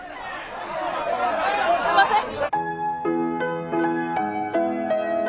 すんません。